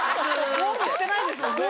ゴールしてないですもんね。